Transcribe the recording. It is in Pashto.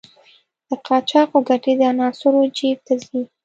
د قاچاقو ګټې د عناصرو جېب ته ځي.